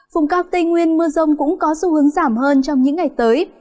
vùng cao tây nguyên mưa rông cũng có xu hướng giảm hơn trong những ngày tới